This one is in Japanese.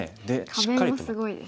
壁もすごいですね。